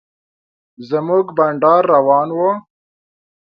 زموږ بنډار روان و.